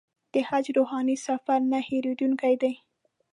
د حج روحاني سفر نه هېرېدونکی دی.